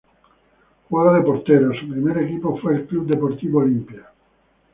Juega de portero, su primer equipo fue el Club Deportivo Olimpia.